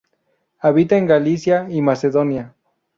Habita en Galicia y Macedonia.